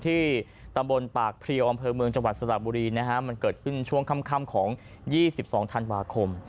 ที่ตำบลปากเพลียวอำเภอเมืองจังหวัดสระบุรีนะฮะมันเกิดขึ้นช่วงค่ำของ๒๒ธันวาคม